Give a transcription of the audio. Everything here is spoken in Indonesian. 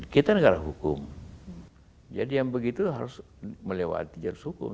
kita negara hukum jadi yang begitu harus melewati jalur hukum